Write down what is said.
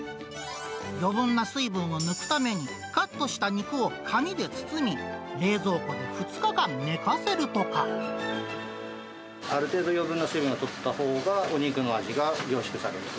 余分な水分を抜くために、カットした肉を紙で包み、ある程度、余分な水分はとったほうがお肉の味が凝縮されます。